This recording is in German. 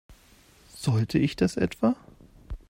Sollte ich das etwa?